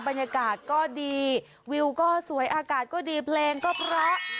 บรรยากาศก็ดีวิวก็สวยอากาศก็ดีเพลงก็เพราะ